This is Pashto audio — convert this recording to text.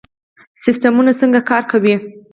سیستمونه څنګه کار کوي؟